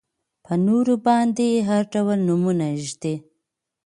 په نورو باندې هر ډول نومونه ږدي.